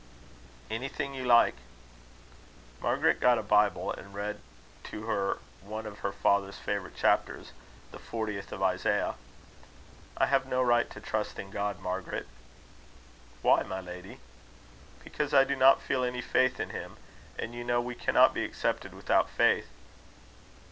"Anything you like." Margaret got a Bible, and read to her one of her father's favourite chapters, the fortieth of Isaiah. "I have no right to trust in God, Margaret." "Why, my lady?" "Because I do not feel any faith in him; and you know we cannot be accepted without faith."